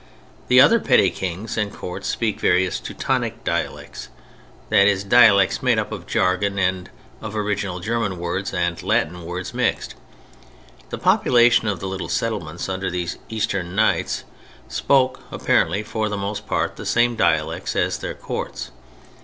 The other petty kings and courts speak various "Teutonic" dialects, that is, dialects made up of a jargon of original German words and Latin words mixed. The population of the little settlements under these eastern knights spoke, apparently, for the most part the same dialects as their courts.